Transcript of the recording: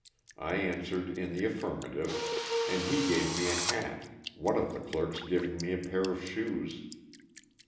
I answered in the affirmative and he gave me a hat, one of the clerks giving me a pair of shoes.